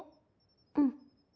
うん。